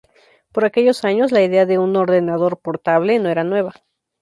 Por aquellos años, la idea de un ordenador portable no era nueva.